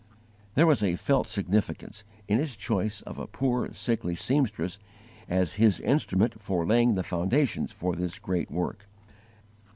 There was a felt significance in His choice of a poor sickly seamstress as His instrument for laying the foundations for this great work.